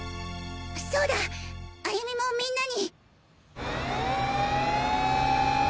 そうだ歩美もみんなに！